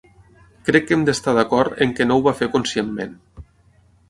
Crec que hem d'estar d'acord en què no ho va fer conscientment.